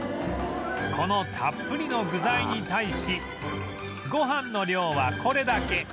このたっぷりの具材に対しごはんの量はこれだけ